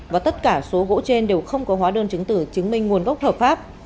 và tất cả số gỗ trên đều không có hóa đơn chứng tử chứng minh nguồn gốc hợp pháp